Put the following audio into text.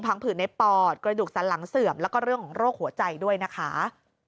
ผื่นในปอดกระดูกสันหลังเสื่อมแล้วก็เรื่องของโรคหัวใจด้วยนะคะ